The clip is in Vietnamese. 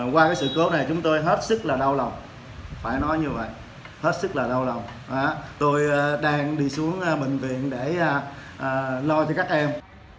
qua sự cố này chúng tôi hết sức là đau lòng phải nói như vậy hết sức là đau lòng tôi đang đi xuống bệnh viện để lo cho các em